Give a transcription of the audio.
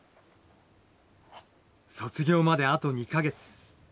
卒業まであと２か月。